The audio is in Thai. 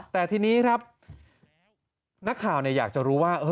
แต่ทีนี้ครับนักข่าวอยากจะรู้ว่า